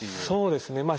そうですね。